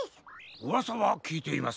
うわさはきいています。